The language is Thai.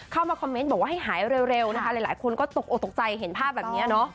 เข้ามาขอแม่นหมอให้หายเร็วนะครับหลายคุณก็ตกตกใจเห็นภาพแบบนี้เนาะ